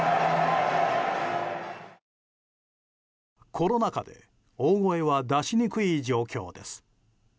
コロナ禍で大声は出しにくい状況です。